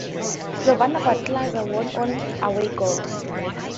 Slovan Bratislava won on away goals.